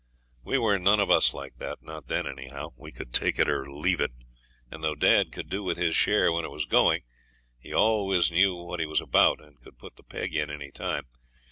We were none of us like that. Not then, anyhow. We could take or leave it, and though dad could do with his share when it was going, he always knew what he was about, and could put the peg in any time.